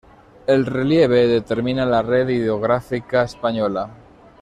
El relieve determina la red hidrográfica española.